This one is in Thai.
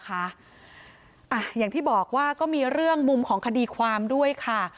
อย่างที่บอกว่าก็มีเรื่องมุมของคดีความด้วยค่ะ